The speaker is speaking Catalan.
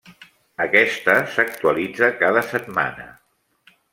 Aquesta, s'actualitza cada setmana.